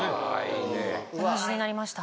同じになりました